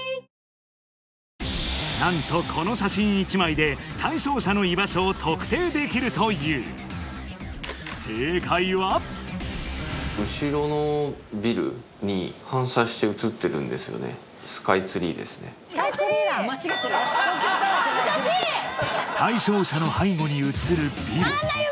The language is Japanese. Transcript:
何とこの写真１枚で対象者の居場所を特定できるという正解はスカイツリーやん間違ってるスカイツリー恥ずかしい対象者の背後に写るビル